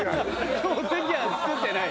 「今日お赤飯作ってない？」